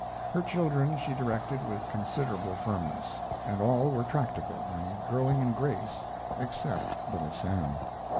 Her children she directed with considerable firmness, and all were tractable and growing in grace except Little Sam.